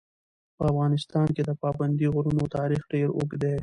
په افغانستان کې د پابندي غرونو تاریخ ډېر اوږد دی.